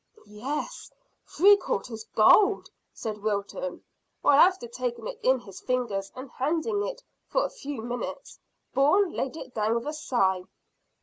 "Yes, three quarters gold," said Wilton, while after taking it in his fingers and handling it for a few minutes, Bourne laid it down with a sigh.